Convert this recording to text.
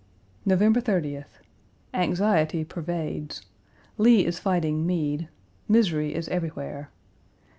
November 30th. Anxiety pervades. Lee is fighting Meade. Misery is everywhere.